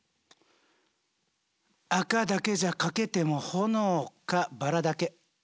赤だけじゃ描けても炎かバラだけ。